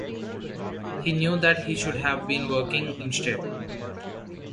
He knew that he should have been working instead.